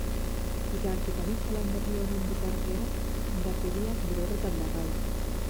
Bitartekaritza lan berri honen bitartean, indarkeriak bere horretan darrai.